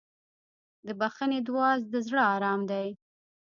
د بښنې دعا د زړه ارام دی.